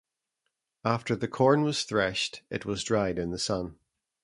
After the corn was threshed, it was dried in the sun.